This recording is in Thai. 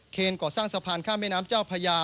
ก่อสร้างสะพานข้ามแม่น้ำเจ้าพญา